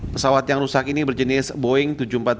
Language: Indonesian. pesawat yang rusak ini berjenis boeing